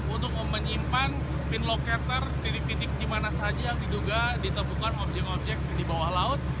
untuk menyimpan pin locator titik titik di mana saja yang diduga ditemukan objek objek di bawah laut